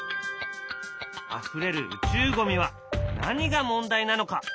あふれる宇宙ゴミは何が問題なのか？